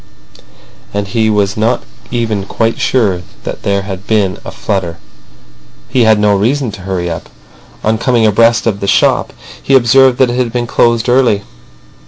And he was not even quite sure that there had been a flutter. He had no reason to hurry up. On coming abreast of the shop he observed that it had been closed early.